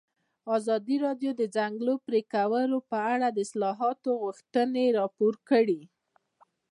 ازادي راډیو د د ځنګلونو پرېکول په اړه د اصلاحاتو غوښتنې راپور کړې.